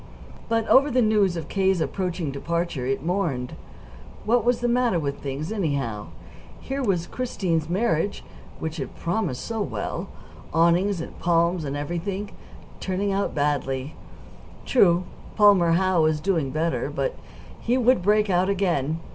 But over the news of K.'s approaching departure it mourned. What was the matter with things, anyhow? Here was Christine's marriage, which had promised so well, awnings and palms and everything, turning out badly. True, Palmer Howe was doing better, but he would break out again.